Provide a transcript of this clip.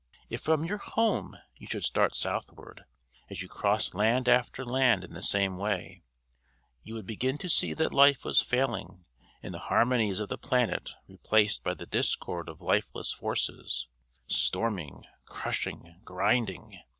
"If from your home you should start southward, as you crossed land after land in the same way, you would begin to see that life was failing and the harmonies of the planet replaced by the discord of lifeless forces storming, crushing, grinding.